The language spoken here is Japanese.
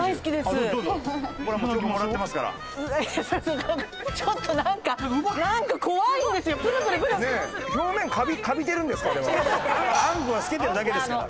違うあんこが透けてるだけですから。